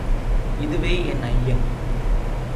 இதுவே என் ஐயம்.